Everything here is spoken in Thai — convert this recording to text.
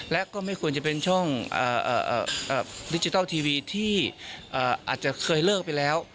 และก็ไม่ควรจะเป็นช่องดิจิทัลทีวีที่อาจจะเคยเลิกไปแล้ว